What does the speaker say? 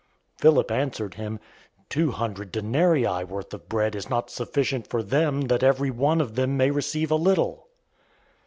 006:007 Philip answered him, "Two hundred denarii worth of bread is not sufficient for them, that everyone of them may receive a little."